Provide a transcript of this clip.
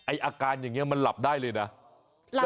อาการอย่างนี้มันหลับได้เลยนะ